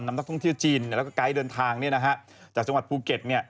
นักท่องเที่ยวจีนแล้วก็ไกด์เดินทางจากจังหวัดภูเก็ต